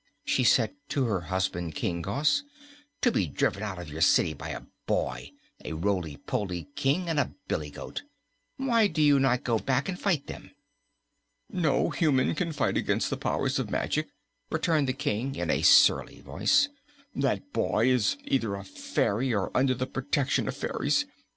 she said to her husband, King Gos, "to be driven out of your city by a boy, a roly poly King and a billy goat! Why do you not go back and fight them?" "No human can fight against the powers of magic," returned the King in a surly voice. "That boy is either a fairy or under the protection of fairies.